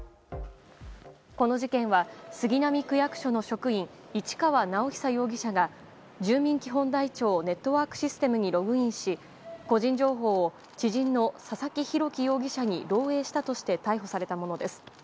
この事件は杉並区役所の職員市川直央容疑者が、住民基本台帳ネットワークシステムにログインし、個人情報を知人の佐々木洋樹容疑者に漏洩したとして逮捕されたものです。